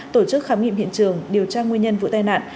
tổ chức khám nghiệm hiện trường điều tra nguyên nhân vụ tai nạn